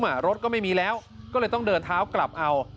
รถก็ไม่มีแล้วก็เลยต้องเดินเท้ากลับเอา